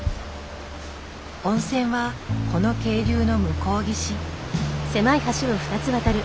温泉はこの渓流の向こう岸。